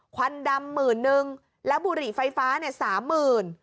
ควันดำหมื่นนึงแล้วบุหรี่ไฟฟ้าเนี่ยสามหมื่น